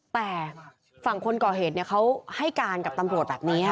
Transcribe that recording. แต่ฝั่งคนก่อเหตุเขาให้การกับตำรวจแบบนี้